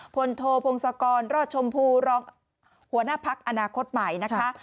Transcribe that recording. พลโทพงศกรรอดชมพูรองหัวหน้าพักอนาคตใหม่นะคะ